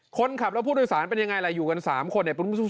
คนขับแล้วพูดโดยสารเป็นยังไงอะไรอยู่กันสามคนเนี่ย